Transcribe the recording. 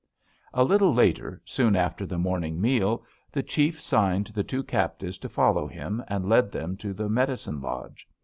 "A little later, soon after the morning meal, the chief signed the two captives to follow him, and led them to the medicine lodge.